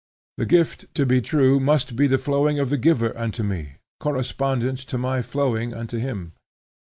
The gift, to be true, must be the flowing of the giver unto me, correspondent to my flowing unto him.